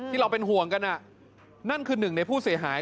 เราเป็นห่วงกันนั่นคือหนึ่งในผู้เสียหาย